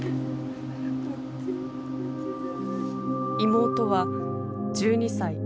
妹は１２歳。